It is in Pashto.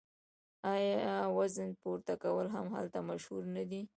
آیا وزنه پورته کول هم هلته مشهور نه دي؟